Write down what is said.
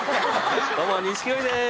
どうも錦鯉です